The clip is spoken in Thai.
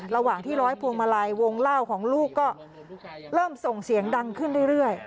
ระหว่างที่ร้อยพวงมาลัยวงเล่าของลูกก็เริ่มส่งเสียงดังขึ้นเรื่อย